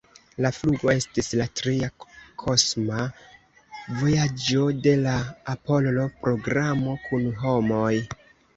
La flugo estis la tria kosma vojaĝo de la Apollo-programo kun homoj.